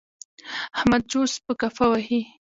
احمد چوس په کفه وهي.